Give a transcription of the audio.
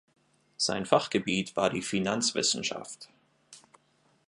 Sein Fachgebiet war die Finanzwissenschaft.